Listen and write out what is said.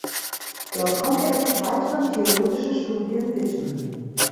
Dort konnte er sich weiteren theologischen Studien widmen.